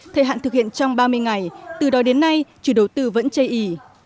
thời hạn thực hiện trong ba mươi ngày từ đó đến nay chủ đầu tư vẫn chây ý